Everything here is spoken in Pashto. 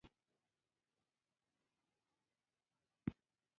وېره ترهه او زور ته په هیڅ سترګه ګوري.